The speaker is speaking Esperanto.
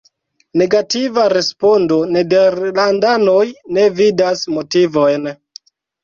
Negativa respondo- nederlandanoj ne vidas motivojn.